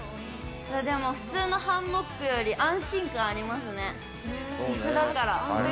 でも、普通のハンモックより安心感ありますね。